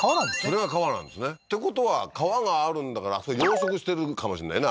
それが川なんですねってことは川があるんだからあそこ養殖してるかもしんないね